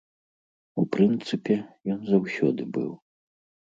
У прынцыпе, ён заўсёды быў.